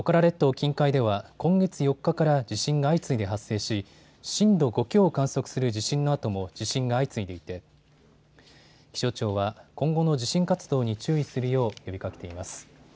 近海では今月４日から地震が相次いで発生し震度５強を観測する地震のあとも地震が相次いでいて気象庁は今後の地震活動に注意するよう呼びかけています。